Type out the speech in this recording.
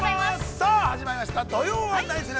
さあ始まりました、「土曜はナニする！？」。